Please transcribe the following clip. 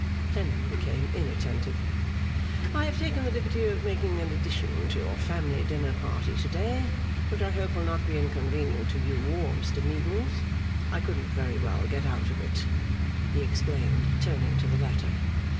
(Clennam became inattentive.) 'I have taken the liberty of making an addition to your family dinner party to day, which I hope will not be inconvenient to you or to Mr Meagles. I couldn't very well get out of it,' he explained, turning to the latter.